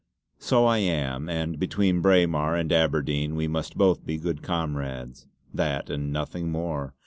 So I am; and between Braemar and Aberdeen we must both be good comrades. That and nothing more!